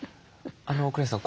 栗原さん